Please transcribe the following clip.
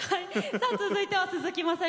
さあ続いては鈴木雅之さん